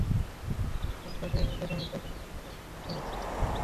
কিন্তু ইদানীং তাঁদের দেখা মিলছে কোনো রেস্তোরাঁয় নৈশভোজে, কিংবা কোনো অনুষ্ঠানে।